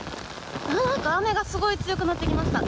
雨がすごい強くなってきました。